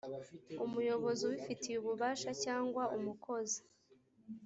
umuyobozi ubifitiye ububasha cyangwa umukozi